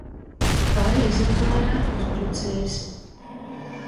Kai izavēre uzbruciejs?